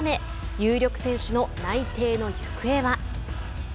有力選手の内定の行方は？